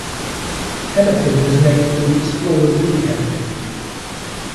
Hennepin was named for the explorer Louis Hennepin.